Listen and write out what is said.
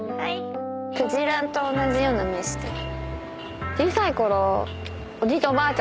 鯨と同じような目してる。